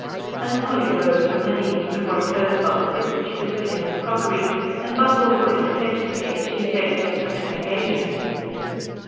And Polly rose from her knees before a clothes basket which she was filling with crockery, and bustled away to fetch the cake she had baked for such an occasion.